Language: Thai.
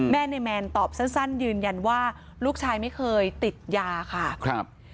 ในแมนตอบสั้นยืนยันว่าลูกชายไม่เคยติดยาค่ะครับ